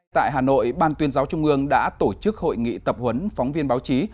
tại hà nội ban tuyên giáo trung ương đã tổ chức hội nghị tập huấn phóng viên báo chí